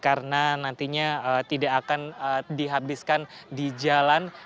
karena nantinya tidak akan dihabiskan di jalan